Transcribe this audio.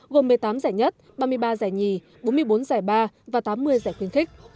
gồm một mươi tám giải nhất ba mươi ba giải nhì bốn mươi bốn giải ba và tám mươi giải khuyến khích